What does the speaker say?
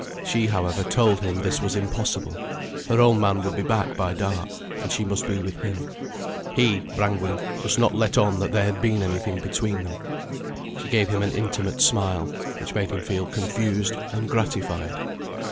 She, however, told him this was impossible: her own man would be back by dark, and she must be with him. He, Brangwen, must not let on that there had been anything between them. She gave him an intimate smile, which made him feel confused and gratified.